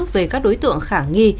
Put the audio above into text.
về các đối tượng khẳng nghi